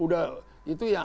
udah itu ya